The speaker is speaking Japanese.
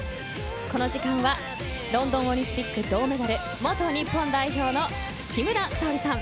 この時間はロンドンオリンピック銅メダル元日本代表の木村沙織さん